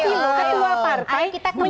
kita kembali ke pasangan